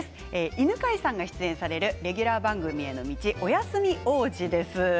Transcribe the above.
犬飼さんが出演されるレギュラー番組への道「おやすみ王子」です。